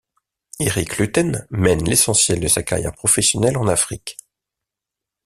Éric Lutten mène l’essentiel de sa carrière professionnelle en Afrique.